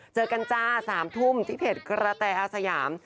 เจอกันจ้า๓ทุ่มที่เพจกระแตอาสยาม